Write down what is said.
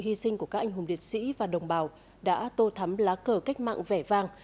hy sinh của các anh hùng liệt sĩ và đồng bào đã tô thắm lá cờ cách mạng vẻ vàng